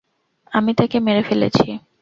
আমি তাকে মেরে ফেলেছি!